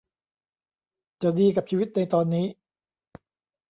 จะดีกับชีวิตในตอนนี้